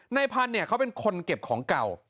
นายพันธ์เนี่ยเขาเป็นคนเก็บของเก่า